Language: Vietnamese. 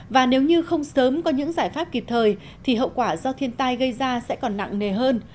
và nếu như không sớm có những giải pháp kịp thời thì hậu quả do thiên tai gây ra sẽ còn nặng nề hơn